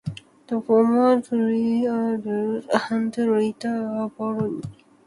The former three are earldoms and the latter a barony.